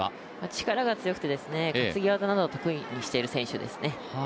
力が強くて、担ぎ技などを得意にしている選手ですね。